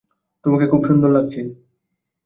তোমাকে খুব সুন্দর লাগছে।